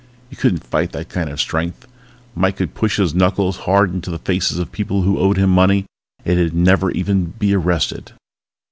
You couldn't fight that kind of strength. Mike could push his knuckles hard into the faces of people who owed him money, and he'd never even be arrested.